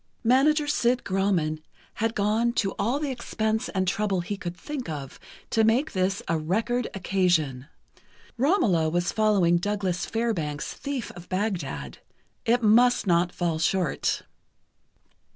Manager Sid Grauman had gone to all the expense and trouble he could think of to make this a record occasion. "Romola" was following Douglas Fairbanks' "Thief of Bagdad." It must not fall short.